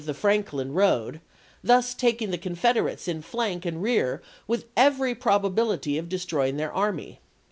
the Frauklin road, thus taking the Confederates in flank and rear with every probability of destroying their army.